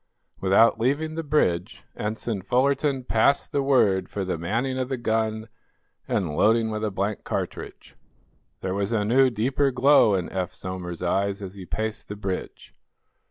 Without leaving the bridge Ensign Fullerton passed the word for the manning of the gun and loading with a blank cartridge. There was a new, deeper glow in Eph Somers's eyes as he paced the bridge.